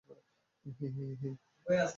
হি হি হি!